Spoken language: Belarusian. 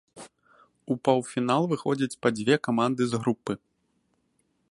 У паўфінал выходзяць па дзве каманды з групы.